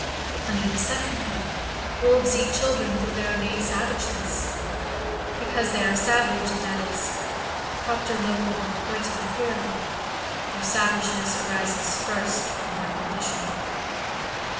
Under the second head, wolves eat children through their innate savageness, because they are savage, and that is (propter locum coitum ferum). Their savage ness arises first from their condition.